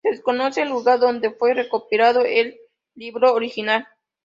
Se desconoce el lugar donde fue recopilado el libro original.